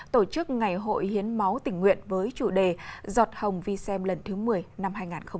tổ chức ngày hội hiến máu tình nguyện với chủ đề giọt hồng vi xem lần thứ một mươi năm hai nghìn hai mươi